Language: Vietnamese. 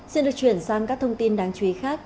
xin được chuyển sang các thông tin đáng chú ý khác